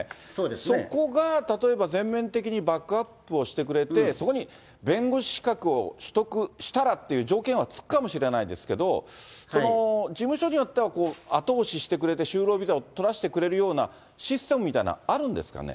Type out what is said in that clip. そこが例えば、全面的にバックアップをしてくれて、そこに弁護士資格を取得したらっていう条件はつくかもしれないですけど、事務所によっては、後押ししてくれて、就労ビザを取らせてくれるような、システムみたいなのあるんですかね？